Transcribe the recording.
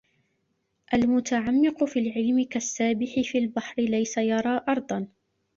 الْمُتَعَمِّقُ فِي الْعِلْمِ كَالسَّابِحِ فِي الْبَحْرِ لَيْسَ يَرَى أَرْضًا